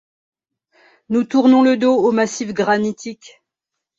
Nous tournons le dos au massif granitique !